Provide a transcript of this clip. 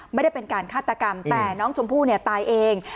ไม่ได้เป็นการฆาตกรรมแต่น้องชมพู่เนี่ยตายเอง